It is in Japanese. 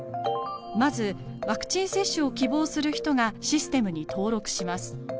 まずワクチン接種を希望する人がシステムに登録します。